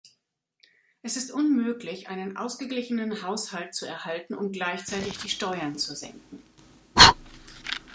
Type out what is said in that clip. Es ist unmöglich, einen ausgeglichenen Haushalt zu erhalten und gleichzeitig die Steuern zu senken.